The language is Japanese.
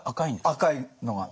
赤いのが。